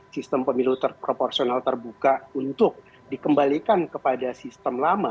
sistem pemilu terproporsional terbuka untuk dikembalikan kepada sistem lama